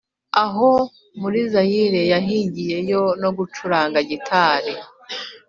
aho muri zayire yahigiyeyo no gucuranga gitari